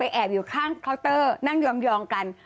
แอบอยู่ข้างเคาน์เตอร์นั่งยองกัน